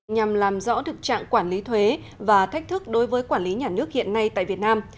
nhằm làm rõ thực trạng quản lý thuế và thách thức đối với quản lý nhà nước hiện nay tại việt nam